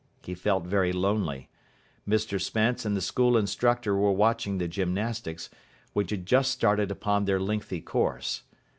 He felt very lonely. Mr Spence and the school instructor were watching the gymnastics, which had just started upon their lengthy course.